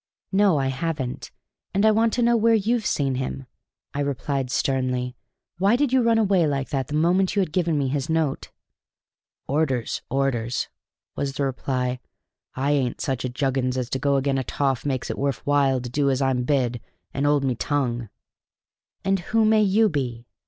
"No, I haven't; and I want to know where you've seen him," I replied sternly. "Why did you run away like that the moment you had given me his note?" "Orders, orders," was the reply. "I ain't such a juggins as to go agen a toff as makes it worf while to do as I'm bid an' 'old me tongue." "And who may you be?"